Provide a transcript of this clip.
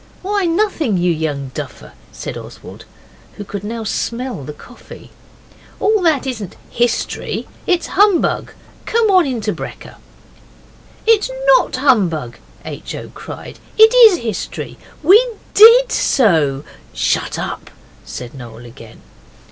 'Why, nothing, you young duffer,' said Oswald, who could now smell the coffee. 'All that isn't History it's Humbug. Come on in to brekker.' 'It's NOT humbug,' H. O. cried, 'it is history. We DID sow ' 'Shut up,' said Noel again.